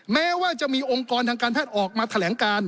แม้ว่าจะมีองค์กรทางการแพทย์ออกมาแถลงการ